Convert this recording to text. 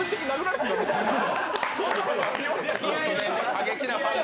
過激なファン。